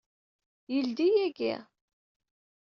Yeldey yagi?